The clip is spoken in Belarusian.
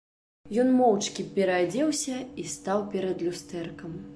Ён моўчкі пераадзеўся і стаў перад люстэркам.